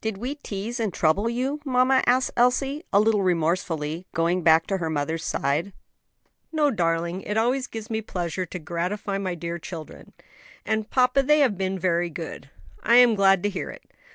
"Did we tease and trouble you, mamma?" asked Elsie, a little remorsefully, going back to her mother's side. "No, darling; it always gives me pleasure to gratify my dear children. And, papa, they have been very good." "I am glad to hear it."